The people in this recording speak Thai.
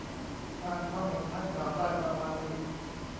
อ่านความเห็นท้ายข่าวได้ประมาณนี้